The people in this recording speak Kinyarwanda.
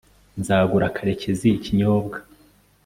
nzagura karekezi ikinyobwa